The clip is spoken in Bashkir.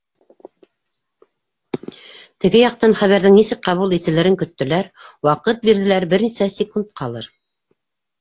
Теге яҡтан хәбәрҙең нисек ҡабул ителерен көттөләр, ваҡыт бирҙеләр, бер-нисә секундҡалыр.